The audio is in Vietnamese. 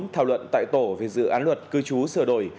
thảo luận tại tổ về dự án luật cư trú sửa đổi